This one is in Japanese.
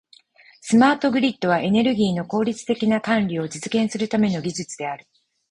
スマートグリッドは、エネルギーの効率的な管理を実現するための技術である。